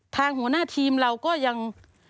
ทางหัวหน้าทีมเราก็ยัง